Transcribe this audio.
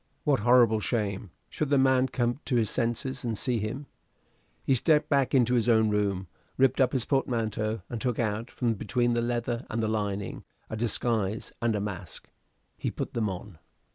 What horrible shame, should the man come to his senses and see him! He stepped back into his own room, ripped up his portmanteau, and took out, from between the leather and the lining, a disguise and a mask. He put them on.